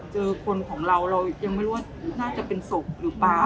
เจอคนของเราเรายังไม่รู้ว่าน่าจะเป็นศพหรือเปล่า